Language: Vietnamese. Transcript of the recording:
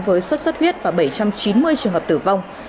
với xuất xuất huyết và bảy trăm chín mươi trường hợp tử vong